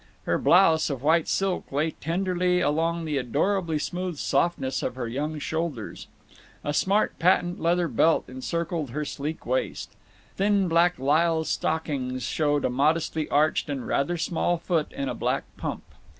Her blouse of white silk lay tenderly along the adorably smooth softness of her young shoulders. A smart patent leather belt encircled her sleek waist. Thin black lisle stockings showed a modestly arched and rather small foot in a black pump.